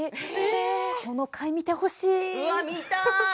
この回は見てほしい。